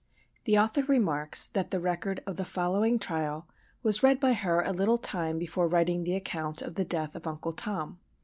The author remarks that the record of the following trial was read by her a little time before writing the account of the death of Uncle Tom.